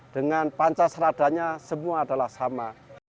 dengan pancasila seradanya semua adalah sama